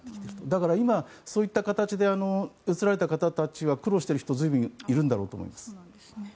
だからそういった形で移られた方たちは苦労している方がずいぶんいるんだろうと思います。